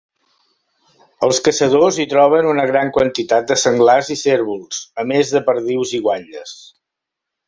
Els caçadors hi troben una gran quantitat de senglars i cérvols, a més de perdius i guatlles.